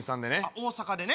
大阪でね。